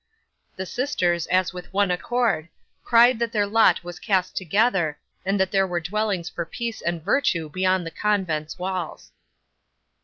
'The sisters, as with one accord, cried that their lot was cast together, and that there were dwellings for peace and virtue beyond the convent's walls.